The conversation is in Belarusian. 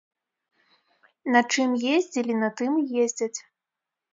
На чым ездзілі, на тым і ездзяць.